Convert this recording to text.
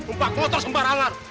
empat motor sembarangan